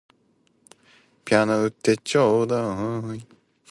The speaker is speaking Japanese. ピアノ売ってちょうだい